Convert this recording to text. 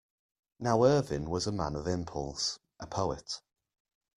Now Irvine was a man of impulse, a poet.